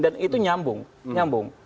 dan itu nyambung